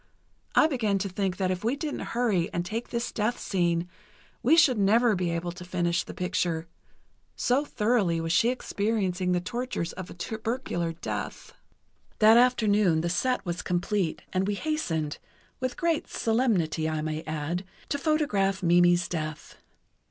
I began to think that if we didn't hurry and take this death scene we should never be able to finish the picture, so thoroughly was she experiencing the tortures of a tubercular death. [Illustration: "LA BOHÊME" Mimi at the pawnshop] That afternoon the set was complete and we hastened—with great solemnity, I may add—to photograph Mimi's death.